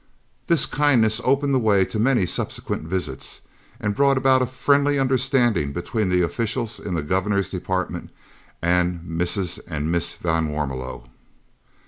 This kindness opened the way to many subsequent visits, and brought about a friendly understanding between the officials in the Governor's Department and Mrs. and Miss van Warmelo.